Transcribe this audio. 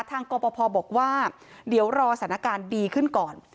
กรปภบอกว่าเดี๋ยวรอสถานการณ์ดีขึ้นก่อน